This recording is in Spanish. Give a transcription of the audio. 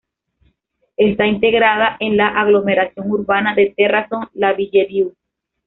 Está integrada en la aglomeración urbana de Terrasson-Lavilledieu.